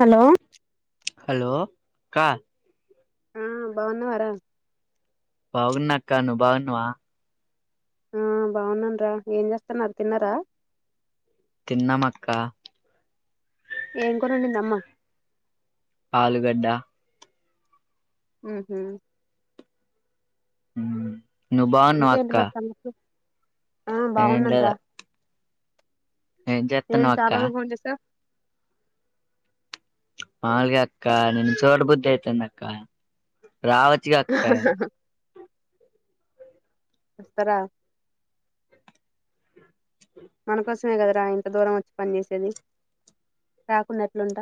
Hello hello అక్కా ఆ బావున్నావా రా బాగున్నా అక్క నువ్వు బాగునవా ఆ బాగున్నానురా ఏం చేస్తాన్నారు తిన్నారా తిన్నామక్క ఏం కూర వండింది అమ్మ ఆలుగడ్డ ఊహూ నువు బావున్నావా ఇంకేంటి అక్క మరి సంగతులు ఆ ఏం బావున్నాను లేదు రా ఏం నేను చేత్తన్నావ్ చాలా అక్కా రోజులకు ఫోన్ చేసావ్ మామూలుగా అక్క నిన్ను చూడబుద్ధ అయితంద అక్క రావచ్చుగా అక్కా వస్తరా మనకోసమే కదరా ఇంత దూరం వచ్చి పనిచేసేది రాకుండ ఎట్లుంట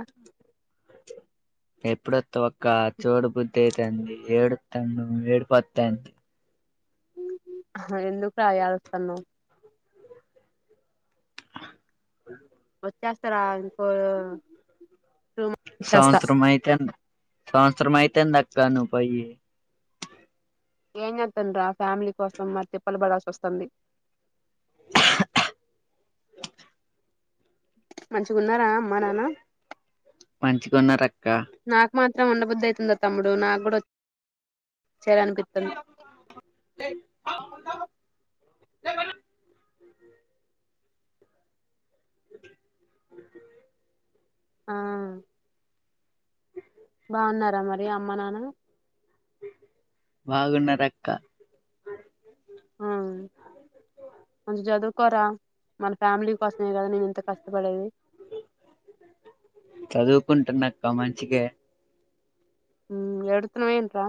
ఎప్పుడొత్తవక్కా చూడ బుద్ధి అయితంది ఏడుత్తాను ఏడుపొత్తాంది అహ ఎందుకు రా ఏడవటం నువ్వు చేస్తారా ఇంకో టూ చేస్తా సంవత్సరమైతుంది సంవత్సరం అయితందక్కా నువ్ పొయ్యి ఏంజేత్తను రా ఫ్యామిలీ కోసం మరి తిప్పలు పడాల్సి వస్తుంది మంచిగా ఉన్నారా అమ్మా నాన్న మంచిగున్నారక్క నాకు మాత్ త్రం ఉండబుద్దు అయితుందా తమ్ముడు నాకు కూడా వచ్చేయాలనిపిత్తంది అ ఆ బాగున్నారా మరి అమ్మ నాన్న బాగున్నా రక్క ఆ కొంచెం జదువుకోరా మన ఫ్యామిలీ కోసమే కదా నేను ఇంత కష్టపడేది కుంటున్నాక్క మంచిగే హ్మ్ ఏడుత్తున్నవేంటిరా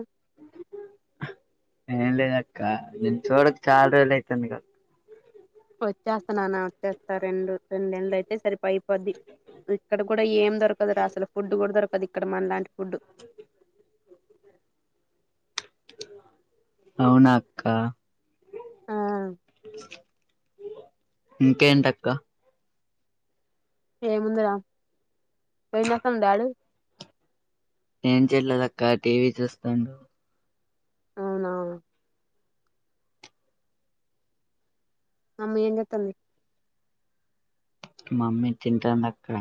ఏం లేద అక్క నిన్ చూడక చాల రోజులయితందిగా వచ్చేస్తాన్నన వచ్చేస్తా రెండు రెండు నెలలైతే సరిపో అయిపోద్ది ఇక్కడ కూడా ఏం దొరకదురా అసలు ఫుడ్ కూడా దొరకదు ఇక్కడ మనలాంటి ఫుడ్డు అవునా అక్క ఆ ఇంకేేంటక్క ఏ ముందరా ఏం చేస్తన్నాడు డాడీ ఏం చేయట్లేదక్కా టీవీ చూస్తాండు అవునా ఏం చేతంది మమ్మీ తింటాంది అక్కడ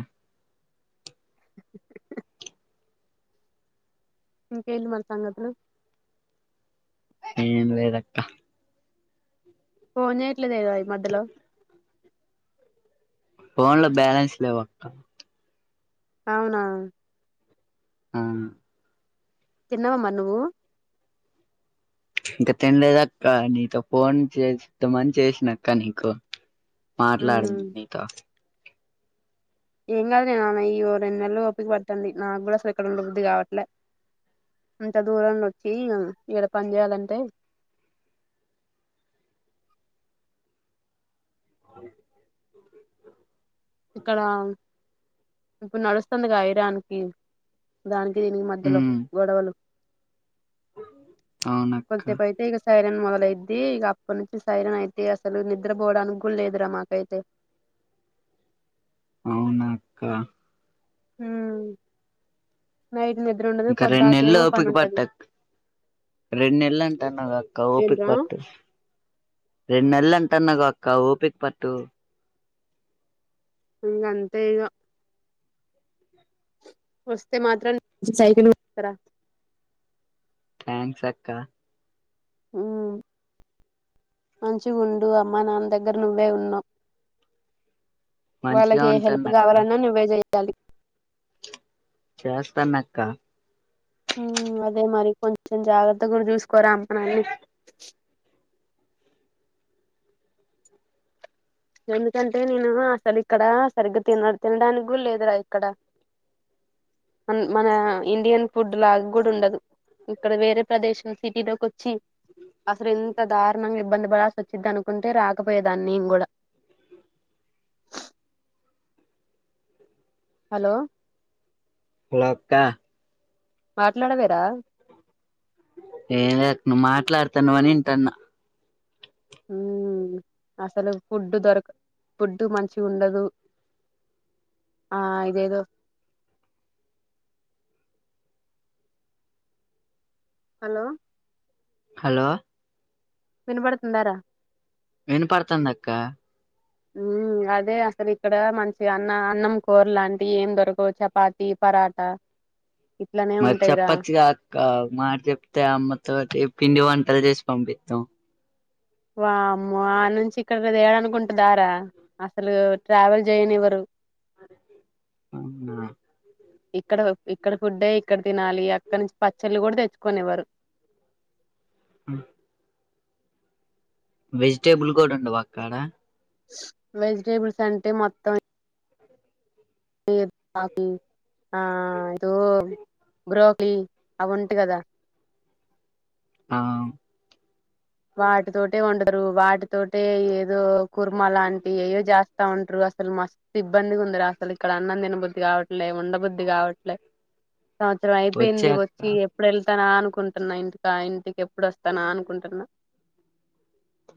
ఏందీ మరి సంగతులు ఏం లేదు అక్క పని చేయట్లేదా ఇగ మధలో ఫోన్ లో బ్యాలెన్స్ లేవక్క అవునా హ్మ్ తిన్నావా మరి నువ్వు ఇంకా తినలేదక్క నీతో ఫోన్ చేస్తమని చేసినక్క నీకు మాట్లాడను ఉమ్, నీతో ఏం కాదు లే నాన్న ఈ ఓ రెండు నెలలు ఓపిక పట్టండి నాకు కూడా అసలు ఇక్కడ ఉండా బుద్ధి కావట్లే ఇంత దూరంలో వచ్చి ఇడ పని చేయాలంటే హ్మ్ ఇక్కడ ఇప్పుడు నడుస్తుంది గా యైదానికి దాన్ ఈ మధ్యలో ఉమ్ గొడవలు అవునక్క కొది సేపు అయితే ఇగ సైరన్ మొదల్ అయిదీ ఇక అప్పటి నుంచి సైరన్ అయితే అసలు నిద్రపోవడానికి కూడా లేదురా మాకైతే అవునా అక్క మ్మ్ రొండు నెలలు ఓపిక పట్టు అక్ రొండు నెలలు అంటున్నావ్ గా అక్క ఓపిక ఏంట్రా పట్టు నేలన్ ట్టన్నగా అక్క ఓపిక పట్టు అంతే ఇగా అయితే మాత్రం సైరన్ వేస్తారా థ్యాంక్స్ అక్క ఆ మంచిగుండు అమ్మ నాన్న దగ్గర నువ్వే ఉన్నావ్ మంచిగా వాళ్ళకి ఏ హెల్ప్ ఉంటానక్క కావాలన్నా నువ్వే చెయాలి చేస్తానా అక్క అదే మరి కొంచెం జాగ్రత్త కూడా చూసుకోరా అమ్మనాన్నని ఎందుకంటే నేను అసలు ఇక్కడ సరిగ్గా తిన తినడానికి కూడా లేదురా ఇక్కడ మన ఇండియన్ ఫుడ్ లాగా కూడా ఉండదు ఇక్కడ వేరే ప్రదేశం సిటీలోకి వచ్చ అసలు ఇంత దారుణంగా ఇబ్బంది పడాల్సి వచ్చింది అనుకుంటే రాకపోయే దాన్ని నేను కూడా హలో అక్క మాట్లాడవే రా ఏం లే అక్క నువ్వు మాట్లాడుతానువని వింటాన్నా మ్మ్ అసలు ఫుడ్డు దొరక ఫుడ్డు మంచిగా ఉండదు ఆ ఇదేదో ఆ హలో వినబడుతుందారా వినుపడుతాంది అక్క మ్మ్ అదే అసలు ఇక్కడ మంచిగా అన్న అన్నం కూర లాంటి ఏం దొరకవు చపాతి పరాటా ఇట్లనే ఉంటాయిరా చప్పచుగా అక్క ఓక మాట చెప్తే అమ్మతోటి పిండి వంటలు చేసి పంపిస్తాం వామ్మో ఆడి నుంచి ఇక్కడే అనుకుంటుందా రా అసలు ట్రావెల్ చేయనివ్వరు అవునా ఇక్కడ ఇక్కడ ఫుడ్డే ఇక్కడ తినాలి అక్కడ నుంచి పచ్చళ్ళు కూడా తెచ్చుకొనివ్వరు ఆ వెజిటేబిల్ కూడా ఉండవా అక్కడ వెజిటేబుల్స్ అంటే మొత్తం ఏ పాకి ఆ దో బ్రోక్లీ అవి ఉంట కదా ఆ వాటితోటే వండు వాటితోటే ఏదో కూర్మ లాంటి ఏయో చేస్తా ఉంటారు అసలు మస్త్ ఇబ్బందిగా రు అసలు ఇక్కడ అన్నం దినబుద్ధి కావట్లే ఉండబుద్ధి కావట్లే సంవత్సరం వచ్చే అయిపోయింది అక్క వచ్చి ఏప్రిల్ తనా అనుకుంటున్నా ఇంటికా ఇంటికి ఎప్పుడు వస్తానా అనుకుంటున్నా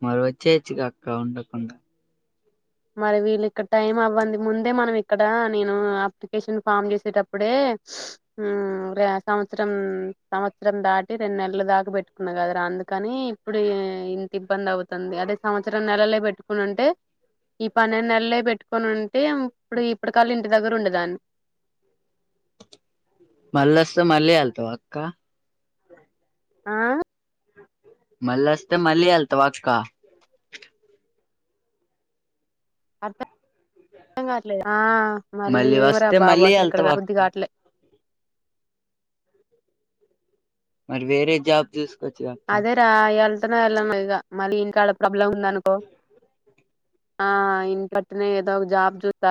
మళ్ళ వచ్చేయచ్చుగా అక్క ఉండకుండా మరి వీళ్ళు ఇక్కడ టైం అవ్వంది ముందే మనం ఇక్కడ నేను అప్లికేషన్ ఫామ్ చేసేటప్పుడే సంవత్సరం సంవత్సరం దాటి రెండు నెలలు దాకా పెట్టుకున్నా కదా అందుకని ఇప్పుడు ఇంత ఇబ్బంది అవుతుంది అదే సంవత్సరం నెలలే పెట్టుకునింటే ఈ పన్నెండు నెలలే పెట్టుకొని ఉంటే ఇప్పుడు ఇప్పుడు కల్ ఇంటి దగ్గరుండే దాన్ని మళ్ళోస్తే మళ్ళీ వెళ్తావ అక్క ఆ మళ్ళీ వస్తే మళ్ళీ వెళ్తావా అక్క అర్థం కావట్లేదు ఆ మళ్ళీ మళ్ళీరా వస్తే బాబు మళ్ళీ అసలు ఇక్కడ వెళ్తావా రాబుద్ది అక్క కాట్లే మరి వేరే జాబ్ చూసు అదే రా ఎళ్తున్నా ఎళ్ళనో ఇగ మళ్ళీ ఇంకా అక్కడ ప్రాబ్లం ఉందనుకో ఆ ఇన్నికట్నే ఏదో ఒక జాబ్ చుత్త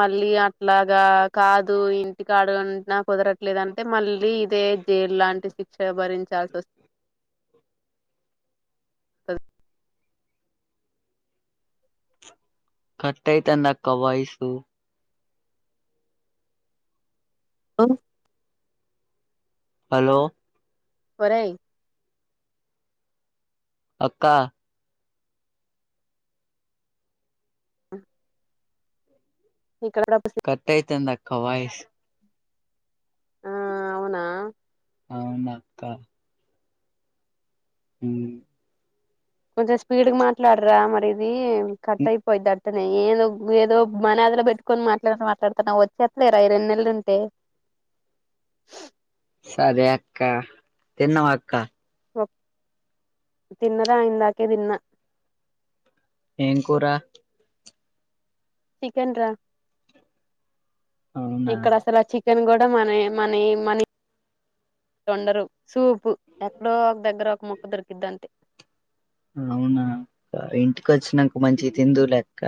మళ్ళీ అట్లాగా కాదు ఇంటి కాడుకున్నా కుదరట్లేదంటే మళ్ళీ ఇదే జైల్ లాంటి శిక్ష భరించాల్సి వస్ అ కట్టయితాంది అక్క వాయిస్ ఉ హలో ఒరేయ్ అక్క ఇక్కడ కట్టయితంది అక్క వాయిస్ ఆ అవునా అవునక్క ఉ కొంచెం స్పీడ్ గా మాట్లాడరా మరి ఇది కట్ అయిపోయిద్ది నేను ఏదో మనాదిలో పెట్టుకొని మాట్లాడు మాట్లాడుతున్నా వచ్చేట్లేరా ఈ రెండు నెల్లు ఉంటే [inaudible] సరే అక్క తిన్నవ అక్క తిన్నరా ఇందాకే తిన్న ఏం కూర చికెన్ రా అవునా ఇక్కడసల చి చికెన్ కూడా మనవి మనవి మనీ వండరు సూపు ఎక్కడో ఒక దగ్గర ఒక ముక్క దొరికిద్దంతే అవునా ఇంటికి వచ్చినంక మంచిగా తిందువులె అక్క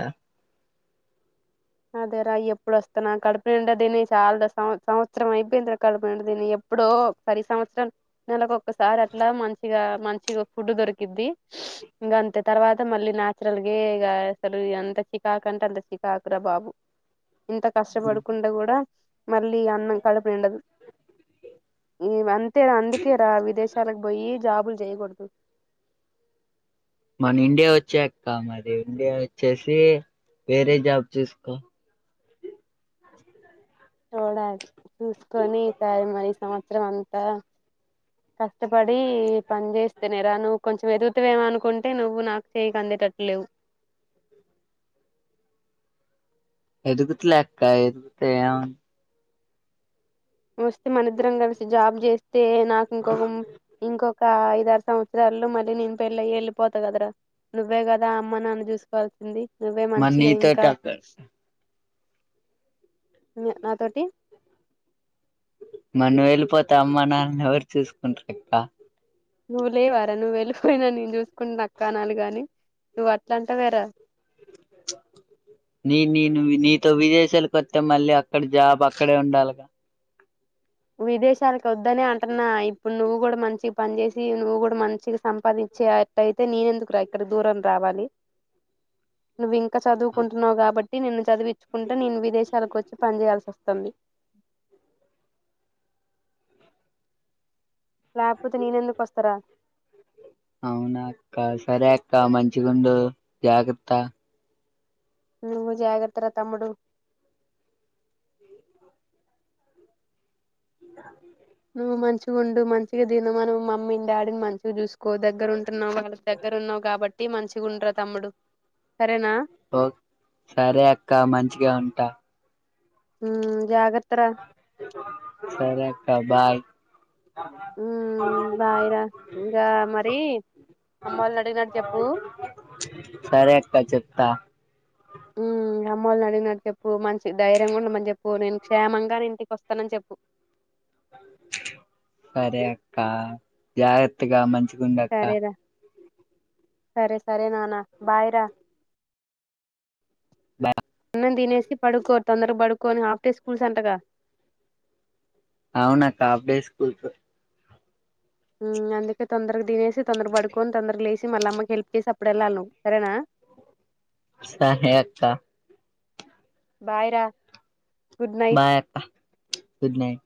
అదేరా ఎప్పుడు వస్తానా కడుపునిండా తిని చాలా సం సంవత్సరం అయిపోయిందిరా కడుపు నిండా తిని ఎప్ ఎప్పుడో ఒకసారి సంవత్సరం నెల కొక్కసారి అట్లా మంచిగా మంచిగా ఫుడ్ దొరికిద్ది. ఇంగా అంతే తర్వాత మళ్లీ న్యాచురల్ గే ఇగ అసలు అంత చికాకంటే అంత చికాక్ వద్దురా బాబు ఇంత కష్టపడుకుంట కూడా మళ్ళీ అన్నం కడుపునిండదు. ఈ అంతేరా అందుకే రా విదేశాలకు పోయి జాబులు చేయకుడుదు మన ఇండియా వచ్చేయక్క మరి ఇండియా వచ్చేసి వేరే జాబ్ చూసుకో చూడాలి చూసుకొని ఈసారి మరి సంవత్సరం అంతా కష్టపడి పని చేస్తేనే రా నువ్వు కొంచెం ఎదుగుతా వేమో అనుకుంటే నువ్వు నాకు చేయికి అందేటట్టు లేవు. [inaudible] ఎదుగుతలేె అక్క ఎదుగుతే ఏ నువ్వు స్తే మనద్దరం కలిసి జాబ్ చేస్తే నాకు ఇంకొక ఇంకొక ఐదారు సంవత్సరాల్లో మళ్ళీ నేను పెళ్ళి అయి వెళ్ళిపోతా కదరా, నువ్వే కదా అమ్మ నాన్న ని చూసుకోవాల్సింది. నువ్వే మరి మంచిగా ఇంకా నీతోటి అక్క హు నాతోటి మరి నువ్వు ఎళ్ళిపోతే అమ్మ నాన్నని ఎవరు చూసుకుంటారు అక్క. నువ్వు లేవరా నువ్వు ఎళ్ళిపోయినా నేను చూసుకుంట అక్క అనాలి కాని. నువ్వు అట్లా అంటావేరా నీ నీను నీతో విదేశాలకు వస్తే మళ్ళీ అక్కడ జాబ్ అక్కడే ఉండాలిగా. విదేశాలకు వద్దనే అంటున్నా ఇప్పుడు నువ్వు కూడా మంచిగా పని చేేసి నువ్వు కూడా మంచిగా సంపాదించేట్టయితే నేనెందుకురా ఇక్కడ దూరం రావాలి. నువ్వు ఇంకా చదువుకుంటున్నావు కాబ ట్టి నిన్ను చదివించుకుంట నేను విదేశాలకు వచ్చి పని చేేయాల్సి వస్తుంది. లేకపోతే నేనెందుకు వస్తారా అవునా అక్క సరే అక్క మంచిగుండు జాగ్రత్త. నువ్వు జాగ్రత్తరా తమ్ముడు. [unintelligible] నువ్వు మంచిగా ఉండు మంచిగా తిను మనం మమ్మీని డాడీని మంచిగా చూసు కో దగ్గర ఉంటున్నావు వాళ్ళ దగ్గర ఉన్నావు కాబట్టి మంచిగా ఉండ్రా తమ్ముడు. సరేనా ఓ సరే అక్క మంచిగా ఉంటా. హు జాగ్ర సరే అక్క బాయ్ బాయిరా ఇంకా మరి అమ్మ వాళ్ళు అడిగినటు చెప్పు సరే అక్క చెప్తా అమ్మోలను అడిగినట్టు చెప్పు, మంచి ధైర్యంగా ఉండమని చెప్పు, నేను క్షేమంగానే ఇంటికి వస్తానని చెప్పు. సరే అక్క జాగ్రత్తగా మంచిగా ఉండు అక్క సరేరా సరే సరే నానా బాయ్ రా. బాయ్ అన్నం తినేసి పడుకో తొందరగా పడుకోని హాఫ్ డే స్కూల్స్ అంటగా. అవునక్క హాఫ్ డే స్కూల్స్. ఉమ్ అందుకే తొందరగా తినేసి, తొందర పడుకొని, తొందర లేసి మళ్ళ అమ్మకి హెల్ప్ చేసి అప్పుడు వెళ్ళాలి నువ్వు సరేనా. సరే అక్క బాయ్ రా గుడ్ నైట్ బాయ్ అక్క గుడ్ నైట్.